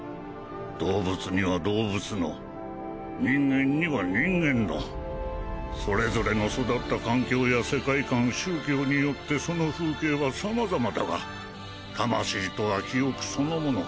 動物には動物の人間には人間のそれぞれの育った環境や世界観宗教によってその風景はさまざまだが魂とは記憶そのもの。